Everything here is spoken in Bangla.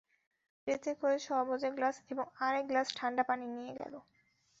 ট্রেতে করে শরবতের গ্লাস এবং আরেক গ্লাস ঠাণ্ডা পানি নিয়ে গেল।